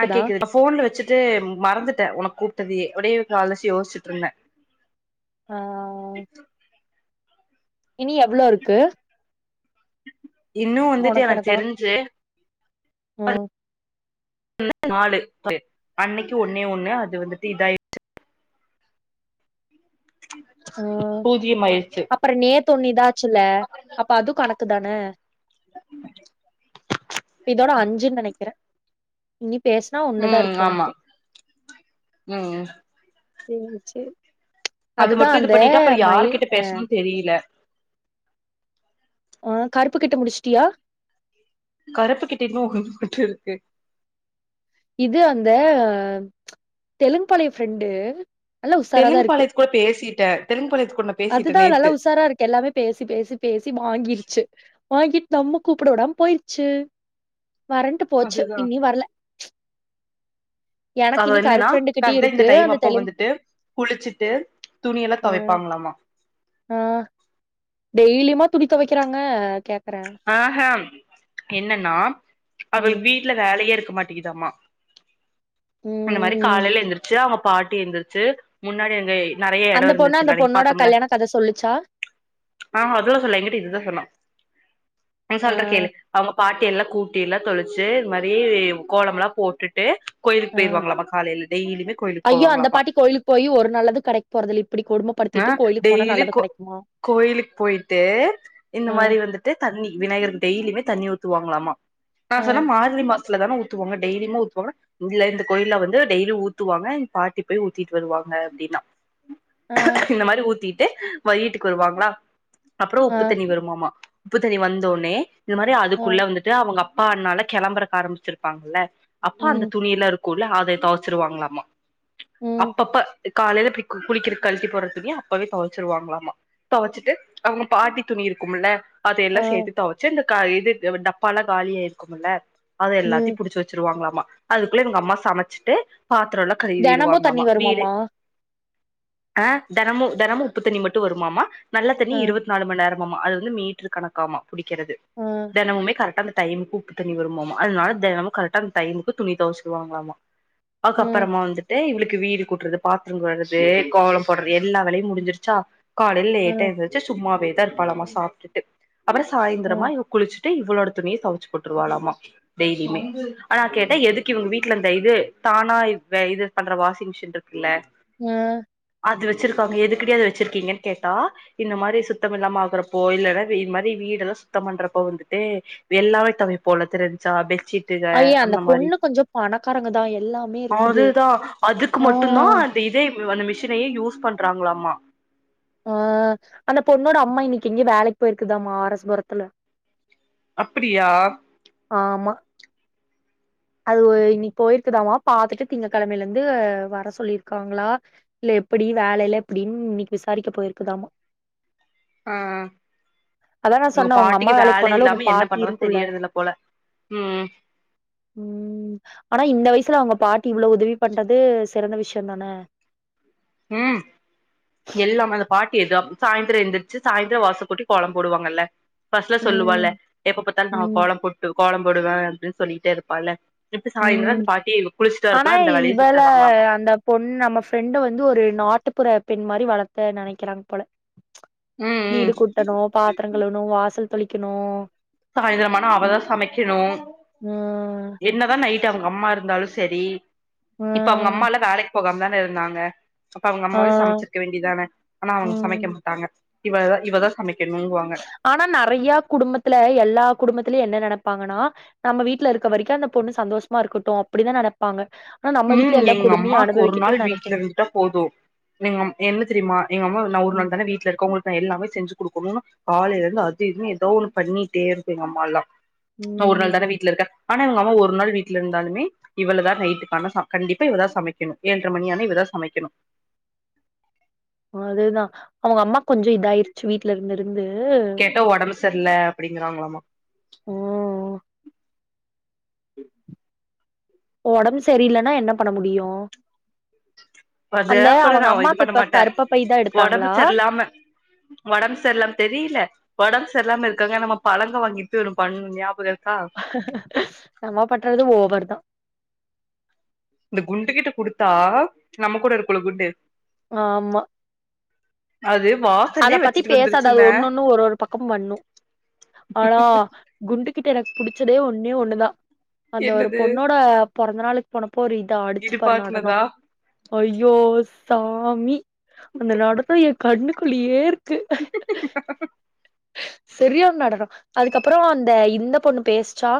ஆ கேக்குது நா ஃபோன்ல வச்சுட்டு மறந்துட்டே உனக் கூப்பிட்டதுயே [unintelligible] காலசு யோசிச்சுட்டு இருந்த ஆஒ இனி எவ்ளோ இருக்கு இன்னு வந்துட்டு எனக்கு தெரிஞ்சு உ நாலு அன்னைக்கு ஒன்னே ஒண்ணு அது வந்துட்டு இதாயச்சு புஜ்ஜியமாயிருச்சு தொண்ணிதா சுல அப்ப அது கணக்குதான இதோட அஞ்சுன்னு நனைக்கிறே இனி பேச்னா ஒண்ணுதா ம் இருக்கு ஆமா உனக்கு ம் உ செரி அது மட்டு இது பண்ணிட்டா அப்புற யாரு கிட்ட பேசணும்னு தெரியல ஆ கருப்பு கிட்ட முடிச்சுட்டியா கருப்பு கிட்டே [unintelligible] மட்டு இருக்கு இது அந்த தெலுங்கு பாளைய ஃப்ரெண்டு நல்லா உசாராதா தெலுங்கு இருக்கு பாளையத்துக்குட பேசி ட தெலங்குபாலயத் அதுதா நல்லா உஷாரா இருக்கு எல்லாமே பேசி பேசி பேசி வாங்கிருச்சு வாங்கிட்டு நம்ம கூப்பிட விடாம போயிருச்சு வரன்ட்டு போச்சு அதுதா இன்னி வரல எனக்கு அது இனி கருப்பு என்னன்னா ஃப்ரெண்டு கிட்டயு கர்டா இந்த இருக்கு டைம் அந்த அப்போ தெலுங்கு வந்துட்டு குளிச்சுட்டு துணியல்லா ஆ துவைப்பாங்களாமா துனி தொவைக்கிராங்க கே ஆஹா என்னன்னா ம் அவள்க் வீட்டுல வேலைய இருக் க்க மாட்டங்கிதாமா இந்த மாரி ம் காலையில எந்திரச்சு அவ பாட்டி எந்திரச்சு முன்னாடி எங்க நறையா எடோ அந்த பொண்ணு அந்த இருந்துச்சுல்ல அன்னைக் பொண்ணோட பாத்தோம்ல கல்யாண கத சொல்லுச்சா ஆ அதெல்லா சொல்லல எங்கிட்ட இதுதா சொன்னா நீ ஆ சொல்ற கேளு அவங்க பாட்டி எல்லா கூட்டி எல்லா தொளிச்சு இது மாரி கோலமெல்லா போட்டுட்டு கொயில் ஆ போய்ருவாங்களாமா காலேல டெய்லிமே கோயிலுக்கு ஐயோ அந்த போவாங்களாமா பாட்டி கோயிலுக்கு போய் ஒரு நல்லது கெடைக்க போறதில்ல இப்டி ஆ கொடுமப்படுத்திட்டு கோயிலுக்கு போனா டெய்லி நல்லது கெடைக்குமா கோயிலுக்கு போயிட்டு இந்த ஆ மாரி வந்துட்டு தண்ணி விநாயகர்க்கு டெய்லிமே தண்ணிஊ [unintelligible] த்துவாங்களாமா நா ஆ சொன்னே மார்கழி மாசோ ஸ்லதான ஊத்துவாங்க டெய்லியுமா ஊத்துவாங்கனா இல்ல இந்த கோயில வந்து டெய்லி ஊத்துவாங்க பாட்டி போய் ஊத்திட்டு வருவாங்க அப்டின்னா ஆ இந்த மாரி ஊத்திட் ட்டு வைட்டுக்கு வருவாங்களா அப்புறோ ஆ உப்பு தண்ணி வருமாமா ப்பு தன்னி வந்தோனே இது மாரி ஆ அதுக்குள்ள வந்துட்டு அவங்கப் அப்பானால கிளம்பறக்க ஆரம்பிச்சிருப்பாங்கல்ல அப்பா அந்த ம் துணி எல்லா இருக் குள்ள அத தொவச்சிருவாங்களாமா ம் அப்பப்ப காலையில [unintelligible] போயி குளிக்கிறப்போ களட்டி போற துணிய அப்பவே தொவச்சிருவாங்களாமா தொவச்சிட்டு அவங்க பாட்டி துணி இருக்கும்ல ஆ அதயெல்லா சேத்து தொவச்சு அந்த கா இது டப்பாலா காலியாயிருக்கும்ல்ல அது ம் எல்லாத்தையு புடிச்சி வச்சிருவாங்களாமா அதுக்குள்ள இவங்க அம்மா சமச்சிட்டு பாத்திரோலா தெனமு தண்ணி கழுவிருவாங்களாமா வீடே வருமாமா ஆ தெனமு தெனமு உப்புத்தண்ணி மட்டு வருமாமா நல்ல தண்ணி ஆ இருவத்நாலு மணி நேர மாமா அது வந்து மீ்ட்ரு கணக்காமா புடிக்கிறது ஆ தெனமுமே கரெக்டா அந்த டைமுக்கு உப்பு தண்ணி வருமாமா அதனால தெனமு கரெக்டா அந்த டைமுக்கு துணி தொவச்சிருவாங்களாமா ம் அதுக்கப்பறமா வந்துட்டு இவுளுக் க்கு வீடு கூட்டுறது பாத்திரோ கழுவுறது கோலம் போடுறது எல்லா வேலையு முடிஞ்சிருச்சா காலைல ஆ லேட்டா எந்திரிச்சி சும்மாவே தா இருப்பாளாமா சாப்ட்டுட்டு அப்பற ஆ சாயந்திரமா இவ குளிச்சு ட்டு இவளோட துணிய தொவச்சு போட்ருவாளாமா டெய்லியுமே அதா கேட்ட எதுக்கு இவங்க வீட்ல இந் த இது தானா இத இது பண்ற வாஷிங் மிஷின் இருக்குல்ல ஆ அது வச்சிருக்காங்க எதுக்குடி அது வச்சிருக்கீங்கன்னு கேட்டா இந்த மாரி சுத்தமில்லாம ஆகுறப்போ இல்லைன்னா இ இந்த மாரி வீடெல்லா சுத்தம் பண்றப்போ வந்துட்டு எல்லாமே தொவைப்போல்ல தெரிஞ்ச்சா பெட் ஐய அந்த பொண்ணு கொஞ்சோ பண அதுதா அதுக்கு ஆ மட்டுந்தா அந்த இதே இவங்க அந்த மிஷினையே யூஸ் பண்றாங்களாமா ஆ அந்த பொண்ணோட அம்மா இன்னக்கி எங்கயோ வேலக்கி போயிருக்குதாம்மா ஆர் எஸ் புரத்துல அப்பிடியா ஆமா அது இன்னக்கி போயிருக்குதாமா பாத்துட்டு திங்கக்கெழமையிலிருந்து வர சொல்லியிருக்காங்களா இல்ல எப்படி வேலைலா எப்பிடின் இன்னக்கி விசாரிக்க போயிருக்குதாமா ஆ ஆ அதா நா அவுங்க சொன்னே உங்க அம்மா பாட்டிக்கு வேலைக்கு வேல போனாலு உங்க இல்லாம என்ன பாட்டி பண்றதுன்னு இருக்குல்ல தெரியறதில்ல போல ம் ம் ஆனா இந்த வயசுல அவங்க பா ட்டி இவ்ளோ உதவி பண்றது சிறந்த விஷயந்தான ம் எல்லாமே அந்த பாட்டி இது அப் சாய்ந்திரோ எந்திரிச்சு சாய்ந்திரோ வாச கூட்டி கோலம் போடுவாங்கல்ல ஃபர்ஸ்ட்லா ம் சொல்லுவால்ல எப்ப பாத்தாலு நா ம் கோலம் போட்டு கோலம் போடுவே அப்டின்னு சொல்லிட்டே இருப்பால்ல இப்ப சாயந்தரோ ம் அந்த பாட்டி குளிச்சுட்டு ஆனா வரக்குள்ள அந்த வேலைய இவள செஞ்சர்றாங்களாமா அந்த பொண்ணு நம்ம ஃப்ரெண்டு வ வந்து ஒரு நாட்டுப்புற பெண் மாரி வளத்த நெனைக்கிறாங்க போல ம் ம் வீடு கூட்டணு பாத்தரங் கழுவணு வாசல் தொளிக்கணு சாயந்திரமானா அவதா சமைக்கணு ம் என்னதா நைட் ட்டு அவங்க அம்மா இருந்தாலு சரி ஆ இப்ப அவங்க அம்மாலா வேலைக்கு போகாம தான இருந்தாங்க அப்ப அவங்க ஆ ஆ அம்மாவே சமைச்சிருக்க வேண்டியதானே ஆனா அவங்க சமைக்க ம் மாட்டாங்க இவ இவதா சமக் ஆனா நறையா குடும்பத்துல எல்லா குடும்பத்திலயே என்ன நைப்பாங்கன்னா நம்ம வீட்டுல இருக்க வரைக்கு அந்த பொண்ணு சந்தோஷமா இருக்கட்டு அப்டிதா நெனப்பாங்க ஆனா நம்ம உ வீட்ல எல்லா எங்க கொடுமையு அம்மாக்கு ஒரு நாள் அனுபவிக்கட்டுன் நெனைக்க வீட்டுல இருந்துட்டா போது எங்கம் என்ன தெரியுமா எங்க அம்மா நா ஒரு ம் நாள் தானே வீட்ல இருக்கே உங்களுக்கு நா எல்லாமே செஞ்சுக் கொடுக்கணும்னு காலையில இருந்து அது இதுனு ஏதோ ஒண்ணு பண்ணிட்டே இருக்கு எங்க அம்மாலா நா ஒரு நாள் ம் தானே வீட்டுல இருக்கே ஆனா இவங்க அம்மா ஒரு நாள் வீட்டுல இருந்தாலுமே இவளதா நைட்டுக் [unintelligible] கண்டிப்பா இவதா சமைக்கணு ஏழ்ர மணியான இவதா சமைக்கணு அதுதா அவங்க அம்மா கொஞ்ச இதா ஆயிர்ச்சு வீட்டுல இரு வந்து சரில அப்டிங்கிறாங்களாமா உ ம் ஒடம்பு சரியலன்னா என்ன பண்ண முடியு அந்த அ கூட நா அவங்க இது அம்மாக்கு பண்ண இப்ப மாட்டே கருப்ப பை தா ஒடம்பு எடுத்தாங்களா சரியிலாம ஒடம்பு சரிலாம தெரியல ஒடம்புச் செரில்லாம இருக்காங்க நம்ம பழங்க வாங்கிட்டு பண்ணு ஞாபகோ இருக்கா நம்ம பண்றது ஓவர் தா இந்த குண்டு கிட்ட குடுத்தா நம்ம கூட இருக்குள்ள குண்டு ஆ மா அது அத வாசல்லயே பத்தி வச்சுட்டு பேசாத அது வந்துருச்சுங்க ஒன்னு ஒன்னு ஒரு ஒரு பக்கோ பண்ணு ஆனா குண்டுகிட்ட எனக் புடிச்சதே ஒண்ணே ஒண்ணுதா அந்த ஒரு என்னது பொண்ணோட பிறந்த நாலுக்கு போனப் அப்போ ஒரு இத அடிச்சு பாரு நடனோ இடுப்பாட்னதா ஐயோ சாமி அந்த நடத்த எ கண்ணுக் குள்ளயேர் [unintelligible] சேரியான நடனனோ அதுக்கப்புறோ அந்த இந்த பொண்ணு பேசுச்சா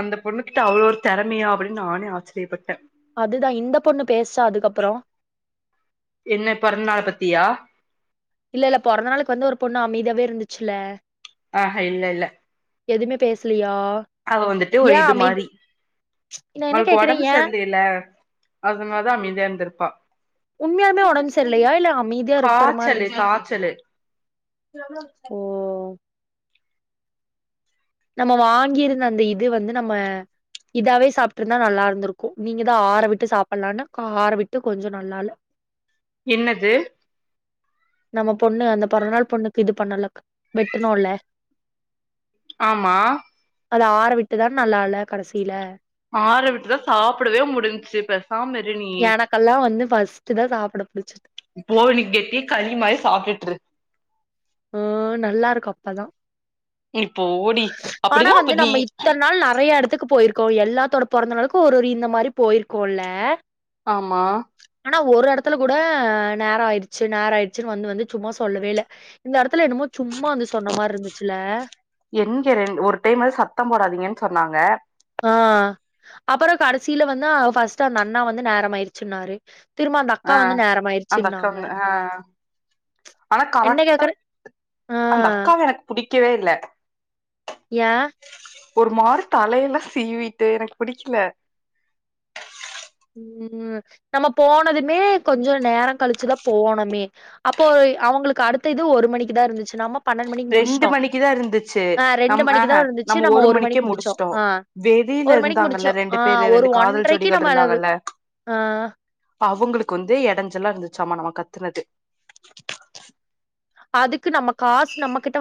அந்த பொண்ணு கிட்ட அவ்ளோ ஒரு திறமையா அப்பிடின் நானே ஆச்சரியப்பட்டே அதுதா இந்த பொண்ணு பேஸ்ச்சா அதுக்கப்புறோ என்ன பிறந்நாள பத்தியா இல்ல இல்ல பொறந்தநாளக்கு வந்து ஒரு பொண்ணு அமைதியாவே இருந்துச்சுல ஆஹ் இல்ல இல்ல எதுமே பேசலயா அத வந்துட்டு ஒரு இது மாரி நா என்ன அவளுக்கு கேக்குறே ஒடம்பு ஏ சரி இல்லல அதனாலதா அமைதியா இருந்திருப்பா உண்மையாலுமே ஒடம்பு சரில்லையா இல்ல அமைதியா இருக்கிற மாரி இரு காச்சலு காச்சலு ஓ [unintelligible] நம்ம வாங்கியிருந்த அந்த இது வந்து நம்ம இதாவே சாப்பிட்டுருந்தா நல்லா இருந்திருக்கு நீங்கதா ஆற விட்டு சாப்பிலான்னு ஆற விட்டு கொஞ்சோ நல்லா இல்ல என்னது நம்ம பொண்ணு அந்த பொறந்தநாள் பொண்ணுக்கு இது பண்ணல்ல வெட்டணோல்ல ஆமா அத ஆற விட்டுதான நல்லால்ல கடைசியில ஆற விட்டுதா சாப்பிடவே முடிஞ்ச்சி பேச எனக்கெல்லா வந்து பஸ் ஸ்ட்டுதா சாப்புட புடிச்சி இருக்கு போ நீ கெட்டியா களி மாரி சாப்பிட்டுட்டு இரு ஆ நல்லா இருக்கு அப்பதா இப்போ ஓடி ஆனா அப்டின்னா அப்ப வந்து நீ நம்ம இத்தன நாள் நெறைய இடத்துக்கு போயிரு கோ எல்லாத்தோட பொறந்த நாளுக்கு ஒரு ஒரு இந்த மாரி போயிருக்கோல்ல ஆமா ஆனா ஒரு எடத்துல கூட நேர ஆயிடுச்சு நேர ஆயிடுச்சுன்னு வந்து வந்து சும்மா சொல்லவே இல்ல இந்த இடத் எங்க ரெண் ஒரு டைம்வாது சத்தம் போடாதீங்கன்னு ச ன்னாங்க ஆ அப்புறோ கடைசியில வந்தா ஃபஸ்ட்டு அந்த அண்ணா வந்து நேரம் ஆயிச்சுன்னாரு ஆ அந்த அக்காங்க ஆ ஆனா என்ன கரெக்ட்டா கேக்குற ஆ அந்த அக்காவ எனக்கு புடிக் கவே இல்ல யா ஒரு மாரி தலையெல்லா சீவிட்டு எனக்கு புடிக்கல ம் நம்ம போனதுமே கொஞ்சம் நேரம் கழிச்சிதா போனோமே அப்போ அவுங்களுக்கு அடுத்த இது ஒரு மணிக்குதா இருந்துச்சி நம்ம பன்னெண்டு மணிக்கு ரெண்டு முடிச்சுட்டோ மணிக்குதா இருந்துச்சி ஆ ரெண்டு நம் மணிக்கு ஆஹ் தா இருந்துச்சு நம்ம ஒரு மணிக்கே மணிக்கு முடிச்சோ முடிச்சுட்டோ ஆ வெளியில ஒரு மணிக்கு முடிச்சோ இருந்தாங்கல்ல ஆ ரெண்டு பேரு ஒரு ரெண்டு காதல் ஒன்றைக்கு ஜோடிகள் நம்ம அத இருந்தாங்கல்ல ஆ அவுங்களுக்கு வந்து எடஞ்சல்லா இருந்துச்சு ச்சாம நம்ம கத்துனது அதுக்கு நம்ம காசு நம்ம கிட்ட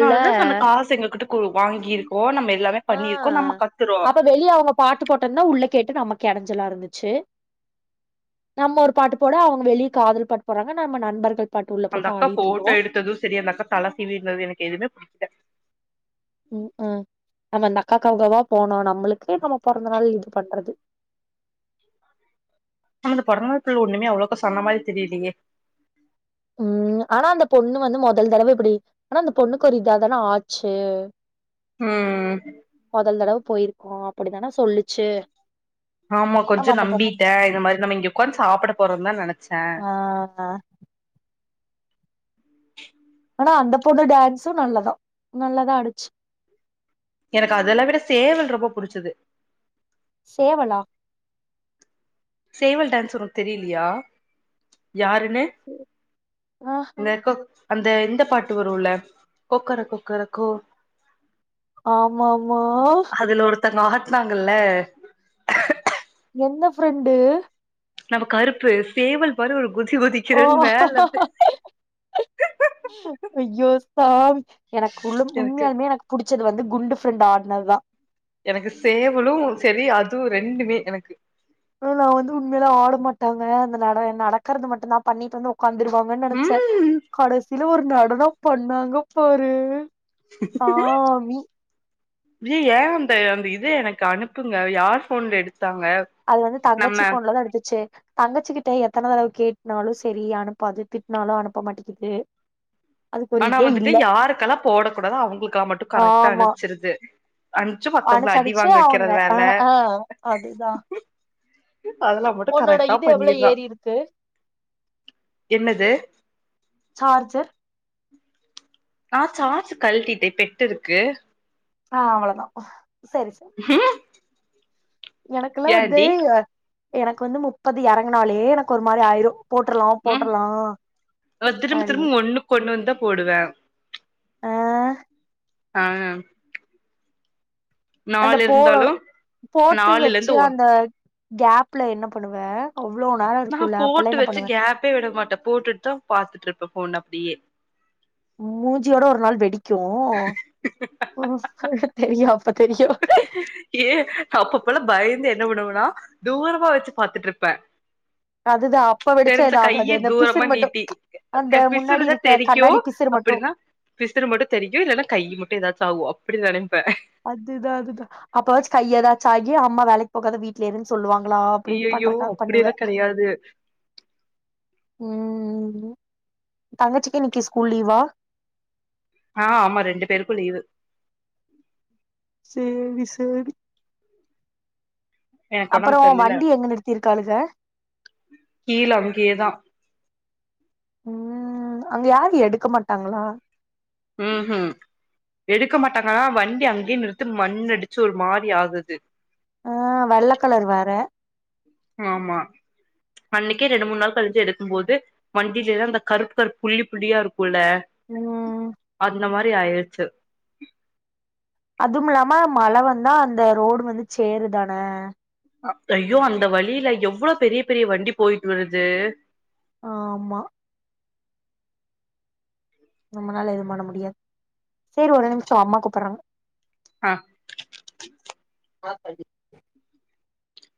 நா அத சொன்ன காசு எங்க கிட்ட வாங்கிருக்கோ நம்ம எல்லாமே ஆ பண்ணிருக்கோ நம்ம கத்துறோ அப்ப வெளிய அவுங்க பாட்டு போட்டாங்கனா உள்ள கேட்டு நம்ம எடஞ்சலா இருந்துச்சு நம்ம ஒரு பாட்டு போட அவுங்க வெளிய காதல் பாட்டு போறாங்க நம்ம நண்பர்கள் பாட்டு உள்ள அந்த போட்டு அக்கா ஆடிட்டு இருந்தோ போட்டோ எடுத்ததும் சரி அந்த அக்கா தல சீவி இருந்தது எனக்கு எதுவுமே புடிக்கல உம்-ஆ நம்ம இந்த அக்காக்காவோ போனோ நம்மளுக்கு நம்ம பொறந்த நாள் இது பண்றது நமது பொறந்தநாளுக்குள்ள ஒன்னுமே அவ்வளவுக்கு சொன்ன மாதிரி தெரியலயே உம் ஆனா அந்த பொண்ணு வந்து மொதல் தடவ இப்டி ஆனா அந்த பொண்ணுக்கு ஒரு இதாதானே ஆச்சு ம் மொதல் தடவ போயிருக்கோ அப்படிதானா சொல்லுச்சு ஆமா கொஞ்சோ நம்ம அந்த பொண்ண நம்பிட்டே மிஸ் இந்த மாதிரி நம்ம இங்க ஒக்காந்து சாப்ட போறோம் தான் நெனச்சே [inaudible] ஆ ஆனா அந்த பொண்ணு டான்ஸும் நல்லதா நல்லதா ஆடுச்சு எனக்கு அதெல்ல விட சேவல் ரொம்ப புடிச்சது சேவலா சேவல் டேன்ஸ் ஒனக்கு தெரியலியா யாருனு ஆஹா அந்த இந்த பாட்டு வரும்ல கொக்கர-கொக்கர கோ ஆமா- ஆமா ஒருத்தங்க ஆட்டுனாங்கள்ல எந்த ஃப்ரெண்டு நம்ம கருப்பு சேவல் மாரி ஒரு குதி ஆ குதிக்குறேனு மேல இருந்து ஆ எனக்கு உள்ள உண்மையாலுமே எனக்கு புடிச்சது வந்து குண்டு ஃப்ரெண்டு ஆடுனதா எனக்கு சேவலு செரி அதுவு ரெண்டுமே எனக்கு நா வந்து உண்மையில ஆட மாட்டாங்க அந்த நட நடக்கறது மட்டுந்தா பண்ணிட்டு வந்து உக்காந்துருவாங்கன்னு நெனச்சே ம் காலேஜ் இதுல ஒரு நடனம் பண்ணாங்க பாரு சாமி ஏன் அந்த அந்த இது எனக்கு அனுப்புங்க யார் போன்ல எடுத் அது வந்து தங்கச்சி போன்ல தா எடுத்துச்சு தங்கச்சிக்கிட்ட எத்தன தடவ கேட்னாலு செரி அனுப்பாது திட்டினாலு அனுப்ப மாட்டேங்குது ஆனா வந்துட்டு யாருக்கெல்லா போடக்கூடாதோ அவுங்களுக்கா மட்டு கரெக்டா அனுப்ச்சுருது அடுச்சடுச்சு அவுங்க ஆ வேல ஆ அதுதா அதெல்லா மட்டு உன்னோட கரெக்டா இது எவ்ள பண்ணிர்றா ஏறி இருக்கு என்னது சார்ஜர் ந சார்சு கழட்டிட்டே பெட்டு இருக்கு ஆ அவ்வள தா சரி ம் எனக்கெல்லா வந்து ஏன்டி எனக்கு வந்து முப்பது எறங்குனாலே எனக்கு ஒரு மாரி ஆயிரு போட்றலா உம் போட்றலா திரும்ப அப்டின்னு திரும்ப ஒன்னுக்கு ஒன்னு கொண்டு வந்து போடுவே ஆ ஆ அந்த நாலு போ இருந்தாலு போட்டு நாலுல வச்சு இருந்து ஒன் அந்த கேப்ல என்ன பண்ணுவே நா போட்டு வெச்சு கேப்பே விட மாட்டே போட்டுட்டு தா பாத்துட்டு இருப்பே ஃபோன ப்டியே மூஞ்சியோட ஒரு நாள் வெடி க்கு தெரியா ஏ அப்பப்பல்லா பயந்தே என்ன விடுவனா தூரமா வச்சு பாத்துட்டு இருப்பே அதுதா அப்ப வெடிச்சா தெரிஞ்சா எது ஆகாது கைய அந்த பிசிறு தூரமா மட்டு நீட்டி அந்த பிசுறு முன்னாடி தா இருக்க தெரிக்கு கண்ணாடி பிசிறு மட்டு அப்டின்னா பிசுறு மட்டு தெரிக்கு இல்லன்னா கையு மட்டு ஏதாச்சு ஆகு அப்டி நெனைப்பே அதுதா அதுதா அப்போவாச்சு கைய ஏதாச்சு ஆயி ஏ அம்மா வேலைக்கு போகாத வீட்ல இருன்னு சொல்லுவாங்க அய்யயோ அப்டியெல்லா கெடயாது உம் தங்கச்சிக்கு இன்னைக்கு ஸ்கூல் லீவா ஆ ஆமா ரெண்டு பேருக்கு லீவு சேரி சேரி எனக்கு ஒடம்பு அப்புறம் சரியில்ல வண்டி எங்க நிறுத்தியிருக்காளுக கீழ அங்கேயேதா ம் அங்க யாரும் எடுக்க மாட்டாங்களா ம் ம் எடுக்க மாட்டாங்கன்னா வண்டி அங்கயே நிறுத்து மண் அடிச்சு ஒரு மாதிரி ஆகுது ஆ வெள்ளக்கலர் வேற ஆமா அன்னைக்கே ரெண்டு மூணு நாள் கழிஞ்சு எடுக்கும் போது வண்டியிலதான் அந்த கருப்பு கருப் புள்ளி புள்ளியா இருக் குமுள்ள ம் அந்த மாதிரி சே ஆயிருச்சு அதும் இல்லாம மழை வந்தா அந்த ரோடு வந்து சேருதானே ஐய்யோ அந்த வழியில எவ்ளோ பெரிய பெரிய வண்டி போயிட்டு வருது ஆமா நம்மளால எது பண்ண முடியாது செரி ஒரு நிமிஷம் அம்மா கூப்பர்றாங்க ஆ ஆ [unintelligible]